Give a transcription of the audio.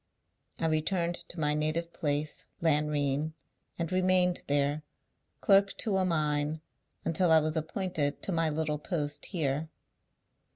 I returned to my native place, Lanrean, and remained there, clerk to a mine, until I was appointed to my little post here."